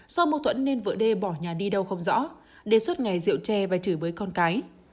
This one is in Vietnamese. do mâu thuẫn nên vợ đê bỏ nhà đi đâu không rõ đê suốt ngày rượu tre và chửi với con cái